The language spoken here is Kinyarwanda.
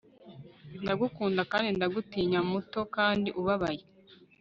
Ndagukunda kandi ndagutinya muto kandi ubabaye